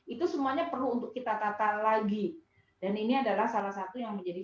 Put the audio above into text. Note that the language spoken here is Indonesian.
itu semuanya perlu untuk kita tata lagi dan ini adalah salah satu yang menjadi